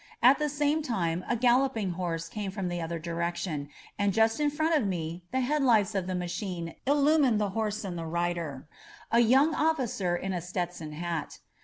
At the same time a gallop ing horse came from the other direction, and just in front of me the headlij^ts of the machine illumined the horse and his rider, a young oflbrer in a Stetson hat.